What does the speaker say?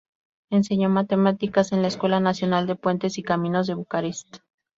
Enseñó matemáticas en la Escuela Nacional de Puentes y Caminos de Bucarest.